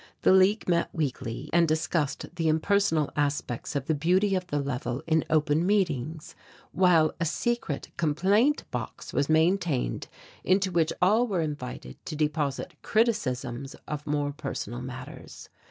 The League met weekly and discussed the impersonal aspects of the beauty of the level in open meetings, while a secret complaint box was maintained into which all were invited to deposit criticisms of more personal matters.